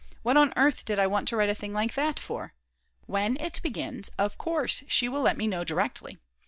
What on earth did I want to write a thing like that for? When it begins, of course she will let me know directly.